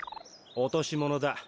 おとしものだ。